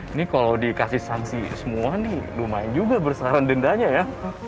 ini kalau dikasih sanksi semua nih lumayan juga besaran dendanya ya